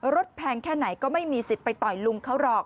แพงแค่ไหนก็ไม่มีสิทธิ์ไปต่อยลุงเขาหรอก